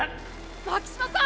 巻島さん！